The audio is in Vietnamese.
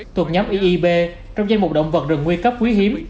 thuộc nhóm eeb trong danh một động vật rừng nguy cấp quý hiếm